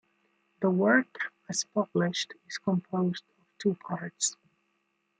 The work as published is composed of two parts.